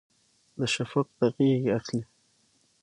د شفق د غیږې اخلي